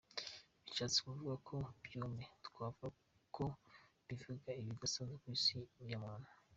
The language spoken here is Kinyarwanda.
Bishatse kuvuga ko byombi twavuga ko bivuga ibidasanzwe ku isi ya muntu.